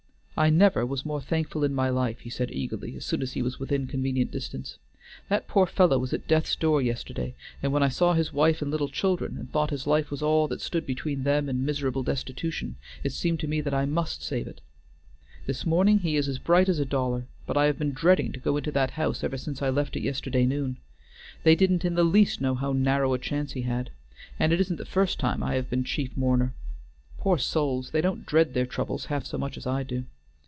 "I never was more thankful in my life," he said eagerly, as soon as he was within convenient distance. "That poor fellow was at death's door yesterday, and when I saw his wife and little children, and thought his life was all that stood between them and miserable destitution, it seemed to me that I must save it! This morning he is as bright as a dollar, but I have been dreading to go into that house ever since I left it yesterday noon. They didn't in the least know how narrow a chance he had. And it isn't the first time I have been chief mourner. Poor souls! they don't dread their troubles half so much as I do.